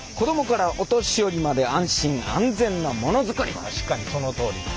確かにそのとおりですね。